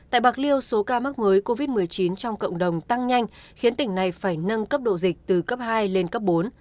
tại bạc liêu số ca mắc mới covid một mươi chín trong cộng đồng tăng nhanh khiến tỉnh này phải nâng cấp độ dịch từ cấp hai lên cấp bốn